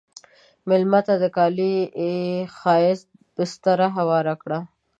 مېلمه ته د کالي ښایسته بستر هوار کړه.